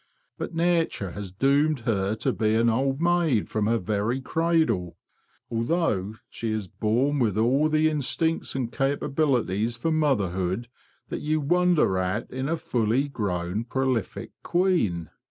But "nature has doomed her to be an old maid from her very cradle, although she is born with all the instincts and capabilities for motherhood that you wonder at in a fully grown, prolific queen.